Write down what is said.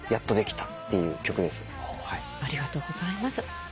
ありがとうございます。